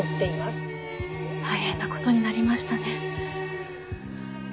大変な事になりましたね。